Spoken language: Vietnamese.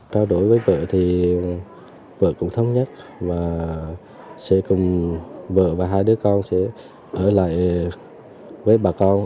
trao đổi với vợ thì vợ cũng thống nhất và sẽ cùng vợ và hai đứa con sẽ ở lại với bà con